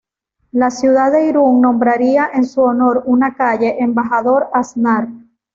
La ciudad de Irún nombraría en su honor una calle, Embajador Aznar.